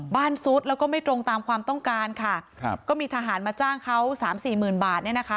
ซุดแล้วก็ไม่ตรงตามความต้องการค่ะครับก็มีทหารมาจ้างเขาสามสี่หมื่นบาทเนี่ยนะคะ